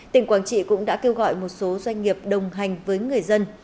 tỉnh quảng trị cũng đã kêu gọi một số doanh nghiệp đồng hành với người dân